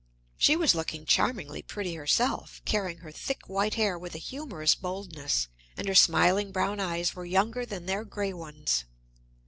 She was looking charmingly pretty herself, carrying her thick white hair with a humorous boldness, and her smiling brown eyes were younger than their gray ones.